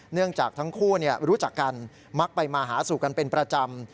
เนื่องจากทั้งคู่รู้จักกันมักไปมาหาสู่กันเป็นประจำ